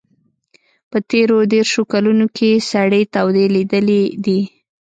په تېرو دېرشو کلونو کې سړې تودې لیدلي دي.